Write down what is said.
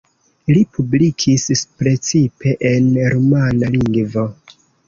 Li publikis precipe en rumana lingvo.